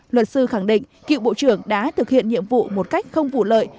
luật sư khẳng định cựu bộ trưởng đã thực hiện nhiệm vụ một cách không vụ lợi